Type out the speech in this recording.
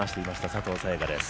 佐藤早也伽です。